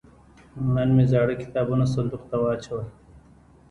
نن مې زاړه کتابونه صندوق ته واچول.